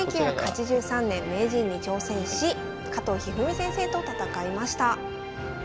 １９８３年名人に挑戦し加藤一二三先生と戦いました。